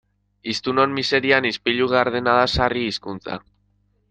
Hiztunon miserien ispilu gardena da sarri hizkuntza.